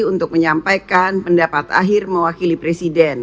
untuk menyampaikan pendapat akhir mewakili presiden